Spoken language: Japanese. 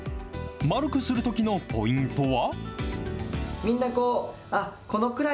丸くするときのポイントは。